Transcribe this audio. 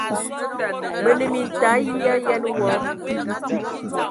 Mə anə mintag yi ayen wɔ!